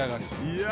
いや！